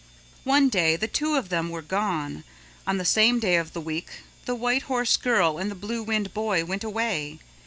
One day the two of them were gone. On the same day of the week the White Horse Girl and the Blue Wind Boy went away.